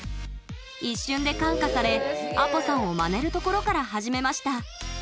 一瞬で感化されＡＰＯ＋さんをまねるところから始めました。